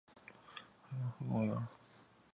许多房间可以观看到海湾和公园。